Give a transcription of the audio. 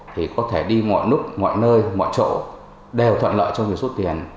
thì có thể đi mọi lúc mọi nơi mọi chỗ đều thuận lợi cho việc rút tiền